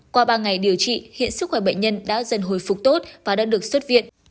qua ba ngày điều trị hiện sức khỏe bệnh nhân đã dần hồi phục tốt và đã được xuất viện